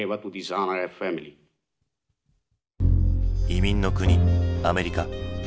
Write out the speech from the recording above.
移民の国アメリカ。